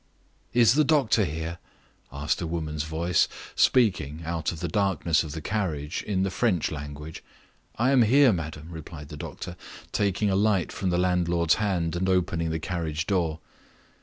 "Is the doctor here?" asked a woman's voice, speaking, out of the darkness of the carriage, in the French language. "I am here, madam," replied the doctor, taking a light from the landlord's hand and opening the carriage door.